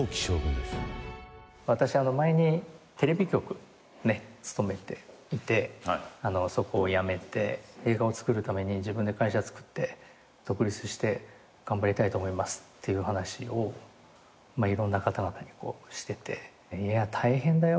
私前にテレビ局勤めていてそこを辞めて映画を作るために自分で会社つくって独立して頑張りたいと思いますっていう話をいろんな方々にしてて大変だよ